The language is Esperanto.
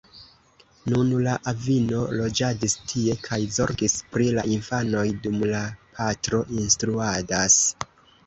Nun la avino loĝadis tie kaj zorgis pri la infanoj, dum la patro instruadas.